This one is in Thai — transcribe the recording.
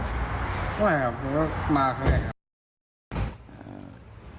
ไม่ครับมาเคย